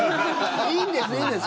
いいんです、いいんです。